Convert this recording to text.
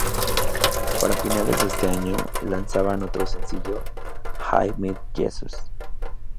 Para finales de año, lanzaban otro sencillo: I've Met Jesus.